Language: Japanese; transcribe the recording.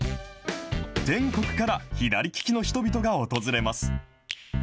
全国から左利きの人々が訪れます。